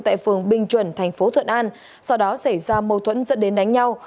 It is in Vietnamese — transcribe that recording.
tại phường bình chuẩn tp thuận an sau đó xảy ra mâu thuẫn dẫn đến đánh nhau